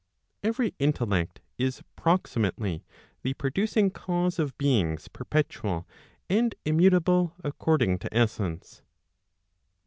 Every intellect is proximately the producing cause of beings perpetual and immutable according to essence.